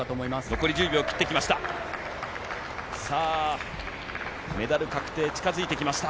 残り１０秒を切ってきました。